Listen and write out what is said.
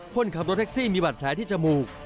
คนขับรถแท็กซี่มีบัตรแผลที่จมูก